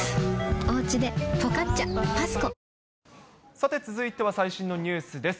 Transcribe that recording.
さて続いては最新のニュースです。